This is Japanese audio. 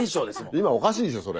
今おかしいでしょそれ。